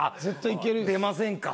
出ませんか？